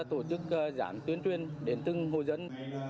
tổ chức gián tuyên truyền đến từng hộ dân